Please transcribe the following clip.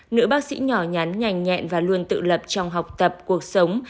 nữ bác sĩ nhỏ nhắn nhanh nhẹn và luôn tự lập trong học tập cuộc sống